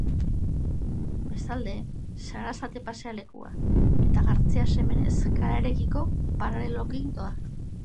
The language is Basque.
Bestalde, Sarasate pasealekua eta Gartzea Semenez kalearekiko paraleloki doa.